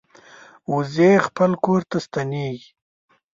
وزې خپل کور ته ستنېږي